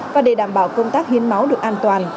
và để đảm bảo công tác hiến máu được an toàn